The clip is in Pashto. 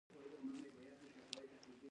آیا دوی یو بل ته درناوی نه کوي؟